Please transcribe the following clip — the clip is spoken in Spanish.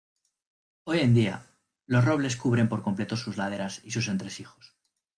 Hoy en día los robles cubren por completo sus laderas y sus entresijos.